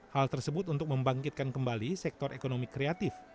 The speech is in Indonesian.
hal tersebut untuk membangkitkan kembali sektor ekonomi kreatif